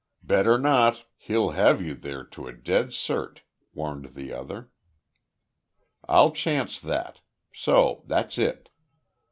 "Better not. He'll have you there to a dead cert," warned the other. "I'll chance that. So. That's it."